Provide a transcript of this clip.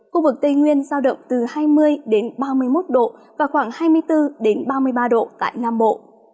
khu vực tây nguyên sao động từ hai mươi đến ba mươi một độ và khoảng hai mươi bốn đến ba mươi ba độ tại nam bộ